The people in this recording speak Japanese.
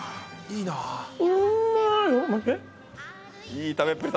いい食べっぷり！